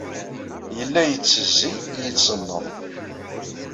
Yella yettezzi, yettenneḍ.